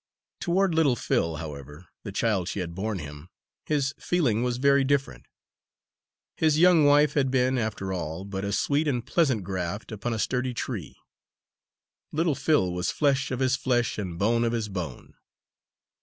Toward little Phil, however, the child she had borne him, his feeling was very different. His young wife had been, after all, but a sweet and pleasant graft upon a sturdy tree. Little Phil was flesh of his flesh and bone of his bone.